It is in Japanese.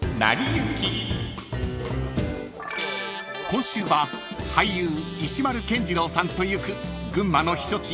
［今週は俳優石丸謙二郎さんと行く群馬の避暑地